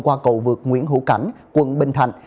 qua cầu vực nguyễn hữu cảnh quận bình thạnh